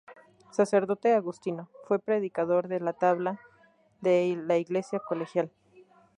Sacerdote agustino, fue predicador de tabla de la iglesia colegial.